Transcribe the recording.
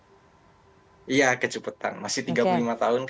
terus saya mau tanya misalnya nanti memang mas gibran ditugaskan sama partai untuk